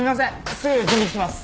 すぐ準備します。